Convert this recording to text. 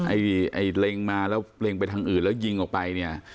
ไอ้เล็งมาแล้วเล็งไปทางอื่นแล้วยิงออกไปเนี่ย